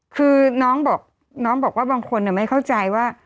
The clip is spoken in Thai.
คือน้องบอกน้องบอกว่าบางคนไม่เข้าใจว่า